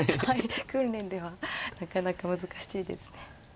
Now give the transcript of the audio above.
訓練ではなかなか難しいですね。